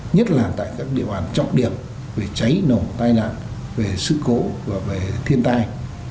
nhất là tại các địa bàn trọng điểm về cháy nổ tai nạn về sự cố và về thiên tai